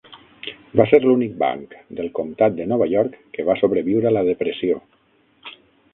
Va ser l'únic banc del comtat de Nova York que va sobreviure a la depressió.